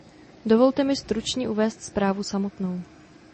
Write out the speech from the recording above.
Dovolte mi stručně uvést zprávu samotnou.